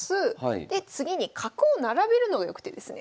で次に角を並べるのが良くてですね。